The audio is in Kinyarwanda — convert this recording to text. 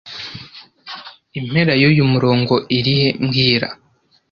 Impera yuyu murongo irihe mbwira